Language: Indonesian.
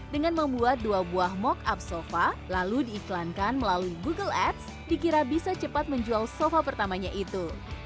dengan membuat dua buah mock up sofa lalu diiklankan melalui google apps dikira bisa cepat menjual sofa pertamanya itu